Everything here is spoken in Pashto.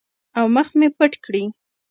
او مخ مې پټ کړي.